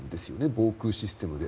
防空システムで。